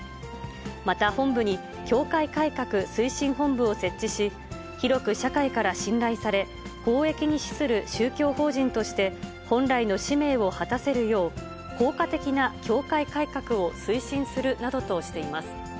また、本部に教会改革推進本部を設置し、広く社会から信頼され、公益に資する宗教法人として、本来の使命を果たせるよう、効果的な教会改革を推進するなどとしています。